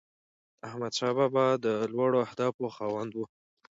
احمدشاه بابا د لوړو اهدافو خاوند و.